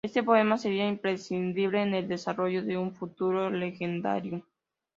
Este poema sería imprescindible en el desarrollo de su futuro "legendarium".